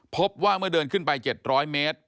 พบว่าเมื่อเดินขึ้นไป๗๐๐เมตร